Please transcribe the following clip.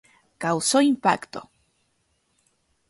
Causó impacto.